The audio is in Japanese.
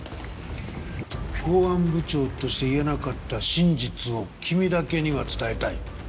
「公安部長として言えなかった真実を君だけには伝えたい。